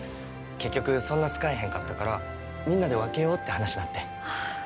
結局そんな使えへんかったからみんなで分けようって話なってあっ